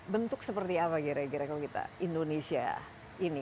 bentuk seperti apa kira kira kalau kita indonesia ini